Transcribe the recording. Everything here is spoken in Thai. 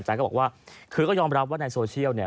อาจารย์ก็บอกว่าคือก็ยอมรับว่าในโซเชียล